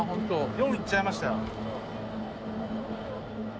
４いっちゃいましたよ。